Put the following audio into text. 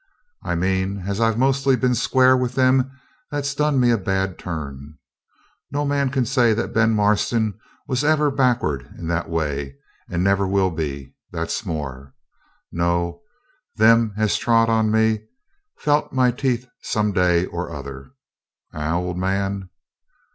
I mean as I've mostly been square with them that's done me a bad turn. No man can say Ben Marston was ever back'ard in that way; and never will be, that's more. No! them as trod on me felt my teeth some day or other. Eh, old man?'